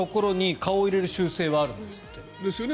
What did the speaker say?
顔を入れる習性はあるんですって。